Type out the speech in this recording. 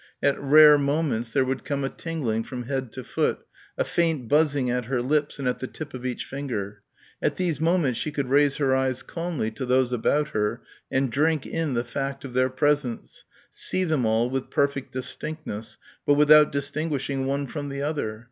At rare moments there would come a tingling from head to foot, a faint buzzing at her lips and at the tip of each finger. At these moments she could raise her eyes calmly to those about her and drink in the fact of their presence, see them all with perfect distinctness, but without distinguishing one from the other.